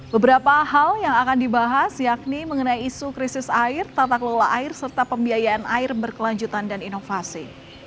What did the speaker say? beberapa hal yang akan dibahas yakni mengenai isu krisis air tata kelola air serta pembiayaan air berkelanjutan dan inovasi